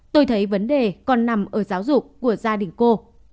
tôi thấy vấn đề còn nằm ở giáo dục của gia đình cô